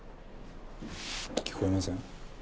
聞こえません？